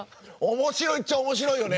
面白いっちゃ面白いよね。